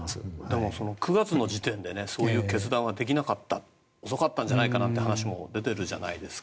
でも、９月の時点でそういう決断はできなかった遅かったんじゃないかという話も出ているじゃないですか。